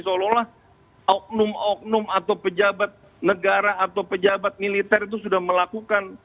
seolah olah oknum oknum atau pejabat negara atau pejabat militer itu sudah melakukan